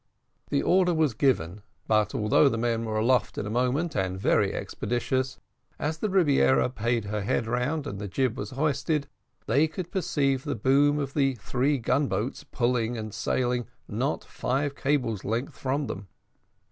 This order was given, but although the men were aloft in a moment, and very expeditious, as the Rebiera payed her head round and the jib was hoisted, they could perceive the boom of the three gun boats pulling and sailing not five cables' length from them.